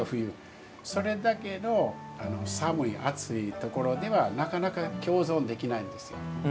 それだけど寒い暑いところではなかなか共存できないんですよ。